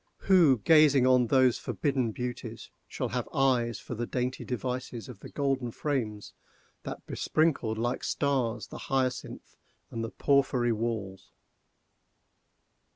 —who, gazing on those forbidden beauties, shall have eyes for the dainty devices of the golden frames that besprinkled, like stars, the hyacinth and the porphyry walls?